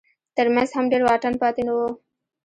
تر منځ هم ډېر واټن پاتې نه و.